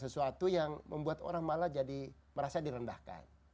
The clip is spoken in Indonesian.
sesuatu yang membuat orang malah jadi merasa direndahkan